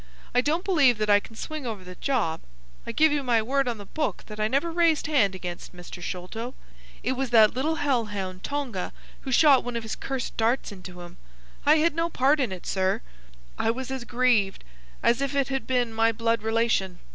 "I don't believe that I can swing over the job. I give you my word on the book that I never raised hand against Mr. Sholto. It was that little hell hound Tonga who shot one of his cursed darts into him. I had no part in it, sir. I was as grieved as if it had been my blood relation.